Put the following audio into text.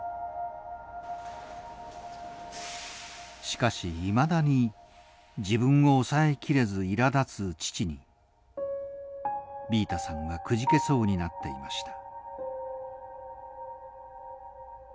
しかしいまだに自分を抑えきれずいらだつ父にビータさんはくじけそうになっていました。